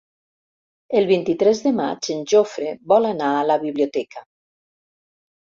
El vint-i-tres de maig en Jofre vol anar a la biblioteca.